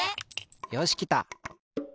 よしきた。